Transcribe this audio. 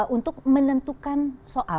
untuk menentukan soal